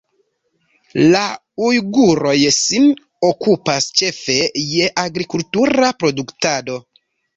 La ujguroj sin okupas ĉefe je agrikultura produktado.